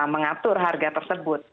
mengatur harga tersebut